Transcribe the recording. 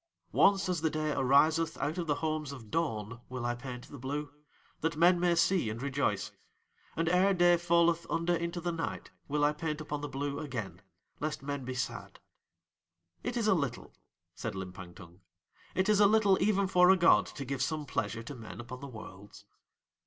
Once as the day ariseth out of the homes of dawn will I paint the Blue, that men may see and rejoice; and ere day falleth under into the night will I paint upon the Blue again, lest men be sad. "It is a little," said Limpang Tung, "it is a little even for a god to give some pleasure to men upon the Worlds."